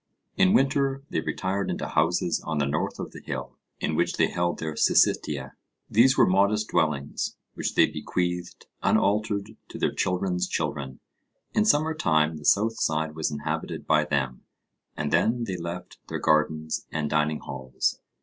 In winter they retired into houses on the north of the hill, in which they held their syssitia. These were modest dwellings, which they bequeathed unaltered to their children's children. In summer time the south side was inhabited by them, and then they left their gardens and dining halls.